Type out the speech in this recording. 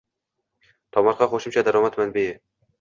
Tomorqa – qo‘shimcha daromad manbaing